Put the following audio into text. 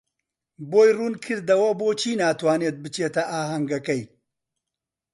بۆی ڕوون کردەوە بۆچی ناتوانێت بچێتە ئاهەنگەکەی.